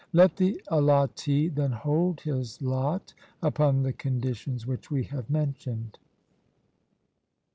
Let the allottee then hold his lot upon the conditions which we have mentioned.